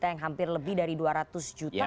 yang hampir lebih dari dua ratus juta